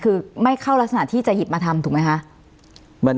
คือไม่เข้ารักษณะที่จะหยิบมาทำถูกไหมคะ